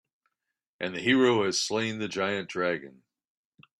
And the hero has slain the giant dragon.